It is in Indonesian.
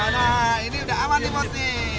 nah ini udah aman nih motif